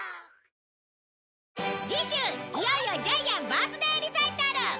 次週いよいよジャイアンバースデーリサイタル！